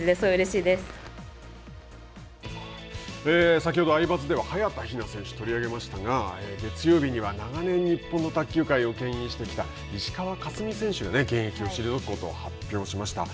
先ほどアイバズでは早田ひな選手を取り上げましたが月曜日には長年日本の卓球界をけん引してきた石川佳純選手が現役を退くことを発表しました。